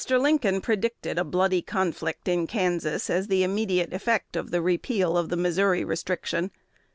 LINCOLN predicted a bloody conflict in Kansas as the immediate effect of the repeal of the Missouri restriction.